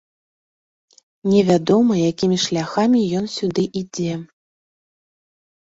Невядома, якімі шляхамі ён сюды ідзе.